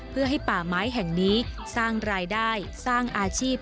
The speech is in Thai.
เพื่อให้ป่าไม้แห่งนี้สร้างรายได้สร้างอาชีพ